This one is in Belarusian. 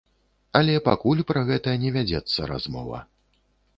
Але пакуль пра гэта не вядзецца размова.